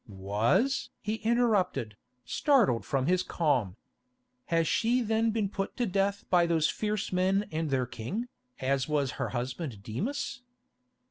"Was?" he interrupted, startled from his calm. "Has she then been put to death by those fierce men and their king, as was as her husband Demas?"